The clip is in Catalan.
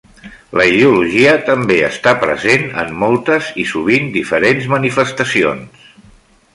La ideologia també està present en moltes i sovint diferents manifestacions.